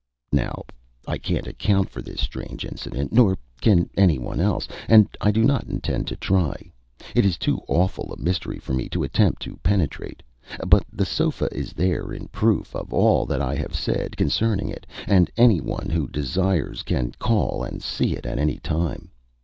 _ Now I can't account for this strange incident, nor can any one else, and I do not intend to try. It is too awful a mystery for me to attempt to penetrate, but the sofa is there in proof of all that I have said concerning it, and any one who desires can call and see it at any time.